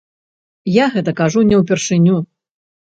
Я гэта кажу не ўпершыню.